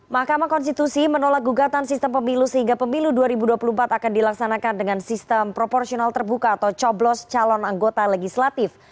mahkamah konstitusi menolak gugatan sistem pemilu sehingga pemilu dua ribu dua puluh empat akan dilaksanakan dengan sistem proporsional terbuka atau coblos calon anggota legislatif